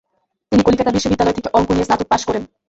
তিনি কলিকাতা বিশ্ববিদ্যালয় থেকে অঙ্ক নিয়ে স্নাতক পাশ করেন।